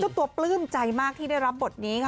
ตัวปลื้มใจมากที่ได้รับบทนี้ค่ะ